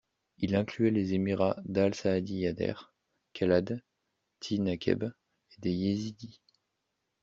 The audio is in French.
Il incluait les émirats d'Al Saadi, Yaher, Kalad, Thi Nakheb et des Yézidis.